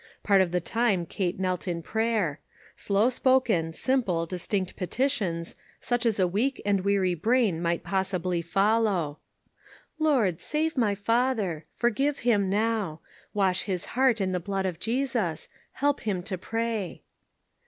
Part of the time Kate knelt in prayer. Slow spoken, simple, distinct petitions, such as a weak and weary brain might possibly follow: " Lord, save my father. Forgive him now. Wash his heart in the blood of Jesus. Help him to pray."